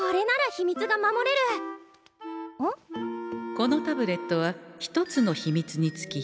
このタブレットは１つの秘密につき１粒。